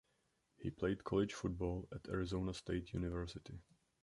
He played college football for Arizona State University.